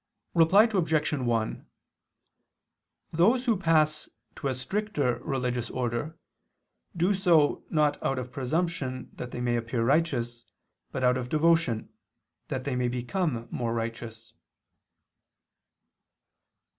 Reply Obj. 1: Those who pass to a stricter religious order, do so not out of presumption that they may appear righteous, but out of devotion, that they may become more righteous.